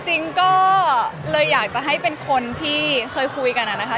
จริงก็เลยอยากจะให้เป็นคนที่เคยคุยกันอะนะคะ